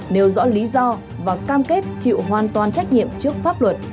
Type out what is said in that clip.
nêu rõ lý do và cam kết chịu hoàn toàn trách nhiệm trước pháp luật